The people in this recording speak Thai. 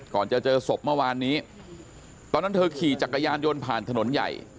ก่อนจะเจอศพเมื่อวานนี้ตอนนั้นเธอขี่จักรยานยนต์ผ่านถนนใหญ่